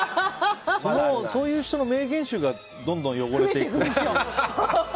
そういう人の名言集がどんどん汚れていくという。